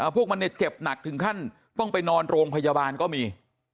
พวกมันเนี่ยเจ็บหนักถึงขั้นต้องไปนอนโรงพยาบาลก็มี